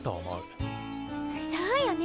そうよね。